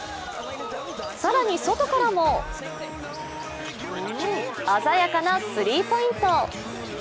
更に、外からも鮮やかなスリーポイント。